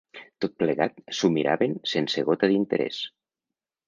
Tot plegat s'ho miraven sense gota d'interès